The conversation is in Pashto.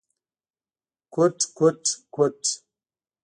_کوټ، کوټ ، کوټ…